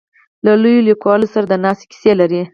له لویو لیکوالو سره د ناستې کیسې لري.